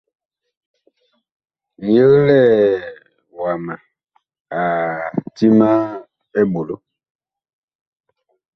Ŋyeglɛɛ wama a ti ma eɓolo.